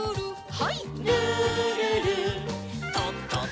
はい。